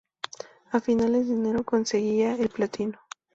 A finales de enero conseguían el platino.